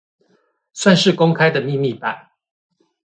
算是公開的秘密吧